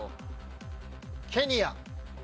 ケニア。